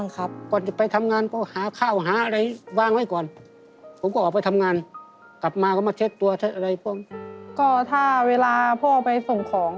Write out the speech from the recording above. ก็ถ้าเวลาพ่อไปส่งของ